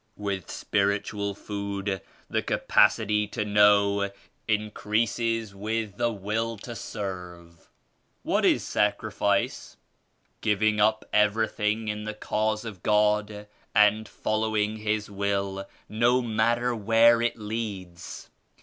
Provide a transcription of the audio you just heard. With Spiritual food the capacity to know increases with the will to serve." "What is sacrifice?" "Giving up everything in the Cause of God and following His Will no matter where it leads.